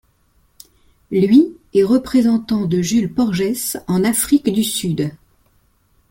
Lui est représentant de Jules Porgès en Afrique du Sud.